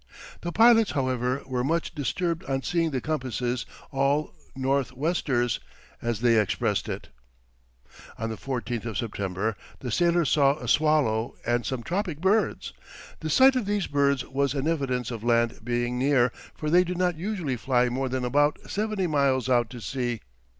The pilots, however, were much disturbed on seeing the compasses all "north westers," as they expressed it. [Illustration: Christopher Columbus on board his caravel.] On the 14th of September the sailors saw a swallow and some tropic birds. The sight of these birds was an evidence of land being near, for they do not usually fly more than about seventy miles out to sea.